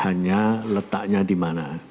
hanya letaknya di mana